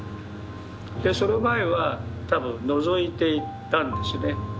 その前は多分のぞいていたんですね。